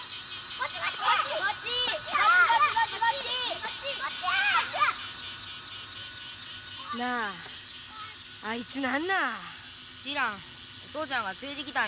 お父ちゃんが連れてきたんや。